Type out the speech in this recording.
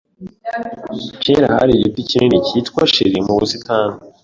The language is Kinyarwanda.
Kera hari igiti kinini cyitwa cheri mu busitani.